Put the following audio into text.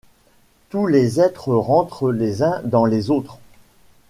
Tous les êtres rentrent les uns dans les autres.